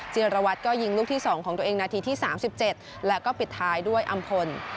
จีนรวัตก็ยิงลูกที่สองของตัวเองนาทีที่สามสิบเจ็ดแล้วก็ปิดท้ายด้วยอำพล